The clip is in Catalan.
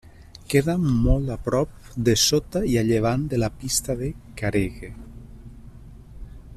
Queda molt a prop, dessota i a llevant de la Pista de Caregue.